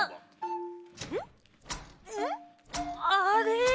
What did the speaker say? あれ？